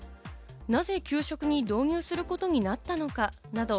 なぜ給食に導入することになったのか？など。